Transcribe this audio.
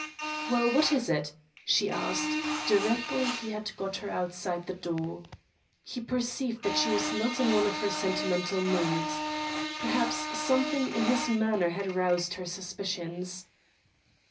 "Well, what is it?" she asked, directly he had got her outside the door. He perceived that she was not in one of her sentimental moods. Perhaps something in his manner had roused her suspicions.